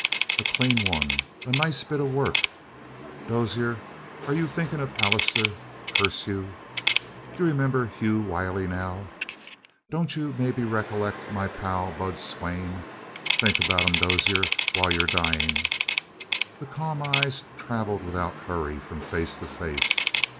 "A clean one." "A nice bit of work." "Dozier, are you thinkin' of Allister, curse you?" "D'you remember Hugh Wiley now?" "D'you maybe recollect my pal, Bud Swain? Think about 'em, Dozier, while you're dyin'!" The calm eyes traveled without hurry from face to face.